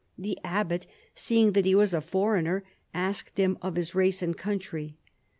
The abbot, seeing that he was a foreigner asked him of his race and country.